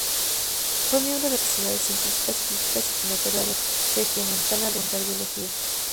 Fue miembro de numerosas sociedades científicas, y fundador de la Sociedad Regiomontana de Cardiología.